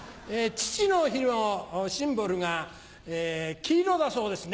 父の日のシンボルが黄色だそうですね。